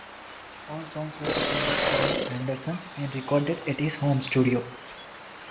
All songs were written by Ian Anderson and recorded at his home studio.